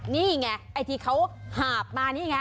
นี่ไงไอ้ที่เขาหาบมานี่ไง